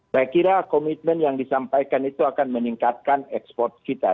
saya kira komitmen yang disampaikan itu akan meningkatkan ekspor kita